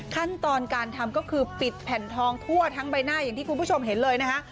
ขั้นตอนการทำก็คือปิดแผ่นทองทั่วทั้งใบหน้าอย่างที่คุณผู้ชมเห็นเลยนะคะ